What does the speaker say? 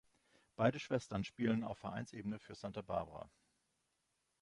Beide Schwestern spielen auf Vereinsebene für "Santa Barbara".